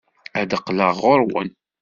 Ad d-qqleɣ ɣer-wen.